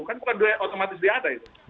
kan bukan doa yang otomatis diadai